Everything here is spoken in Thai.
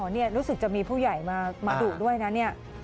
นี่รู้สึกจะมีผู้ใหญ่มาดุด้วยนะเนี่ย